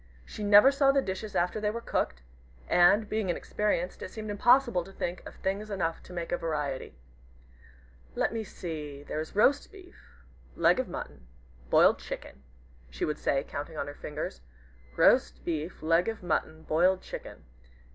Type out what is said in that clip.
She never saw the dishes after they were cooked; and, being inexperienced, it seemed impossible to think of things enough to make a variety. "Let me see there is roast beef leg of mutton boiled chicken," she would say, counting on her fingers, "roast beef leg of mutton boiled chicken.